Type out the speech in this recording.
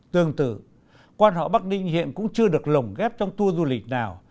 tương tự quan họ bắc ninh hiện cũng chưa được lồng ghép trong tour du lịch nào